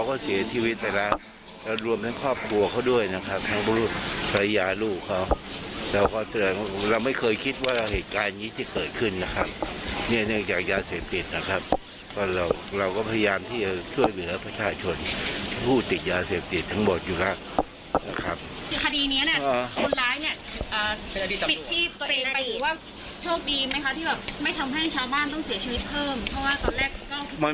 คดีเนี่ยคนร้ายหนิผิดชีวิตตัวเองไปหรือว่าโชคดีไหมคะที่แบบไม่ทำให้ชาวบ้านต้องเสียชีวิตเพิ่มเพราะว่าตอนแรกก็